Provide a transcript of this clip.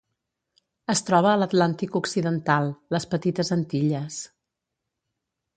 Es troba a l'Atlàntic occidental: les Petites Antilles.